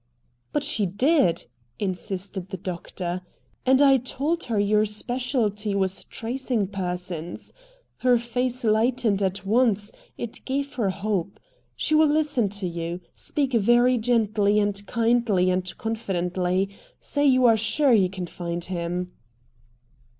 "But she did," insisted the doctor, "and I told her your specialty was tracing persons. Her face lightened at once; it gave her hope. She will listen to you. Speak very gently and kindly and confidently. Say you are sure you can find him."